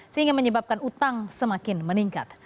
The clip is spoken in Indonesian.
sehingga menyebabkan utang semakin meningkat